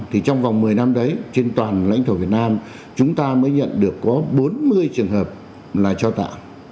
thì trong vòng một mươi năm đấy trên toàn lãnh thổ việt nam chúng ta mới nhận được có bốn mươi trường hợp là trao tặng